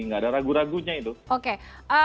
gak ada ragu ragu nya itu